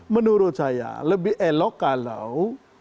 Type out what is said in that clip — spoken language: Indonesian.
menurut saya lebih elok kalau